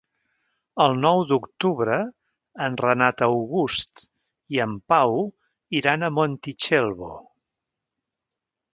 El nou d'octubre en Renat August i en Pau iran a Montitxelvo.